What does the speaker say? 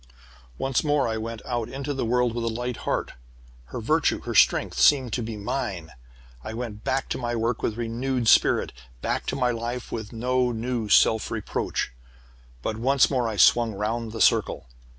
"Once more I went out into the world with a light heart! Her virtue, her strength, seemed to be mine. I went back to my work with renewed spirit, back to my life with no new self reproach. "But once more I swung round the circle.